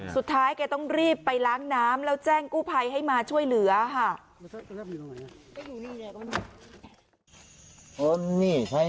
แกต้องรีบไปล้างน้ำแล้วแจ้งกู้ภัยให้มาช่วยเหลือค่ะ